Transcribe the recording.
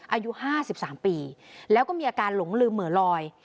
อายุ๕๓ปีแล้วก็มีอาการหลงลืมเหมือนลอย